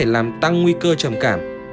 làm tăng nguy cơ trầm cảm